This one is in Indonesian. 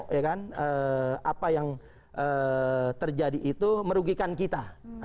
ya kan apa yang terjadi itu merugikan kita